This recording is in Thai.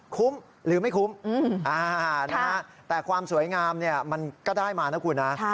คุ้มหรือไม่คุ้มอืมอ่านะฮะแต่ความสวยงามเนี้ยมันก็ได้มานะคุณนะใช่